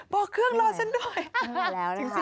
บอกเครื่องรอฉันด้วย